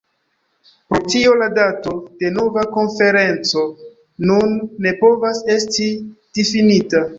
Pro tio la dato de nova konferenco nun ne povas esti difinita.